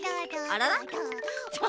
あらら？